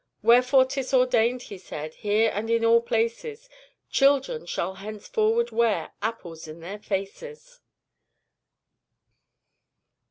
"Wherefore 'tis ordained," He said, "Here and in all places, Children shall henceforward wear Apples in their faces."